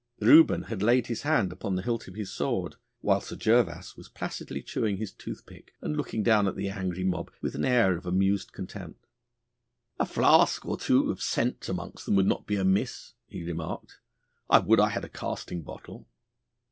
Reuben had laid his hand upon the hilt of his sword, while Sir Gervas was placidly chewing his toothpick and looking down at the angry mob with an air of amused contempt. 'A flask or two of scent amongst them would not be amiss,' he remarked; 'I would I had a casting bottle.